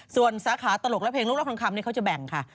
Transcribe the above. ส่วนสาขาตลกและเพลงลูกรักทองคำเขาจะแบ่งค่ะ